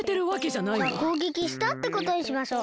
じゃあこうげきしたってことにしましょう。